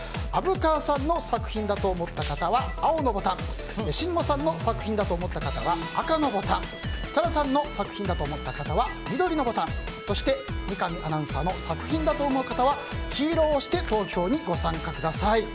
虻川さんの作品だと思った方は青のボタンしんごさんの作品だと思った方は赤のボタン設楽さんの作品だと思った方は緑のボタンそして、三上アナウンサーの作品だと思った方は黄色のボタンを押して投票にご参加ください。